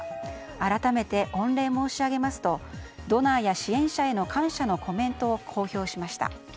改めて御礼申し上げますとドナーや支援者への感謝のコメントを公表しました。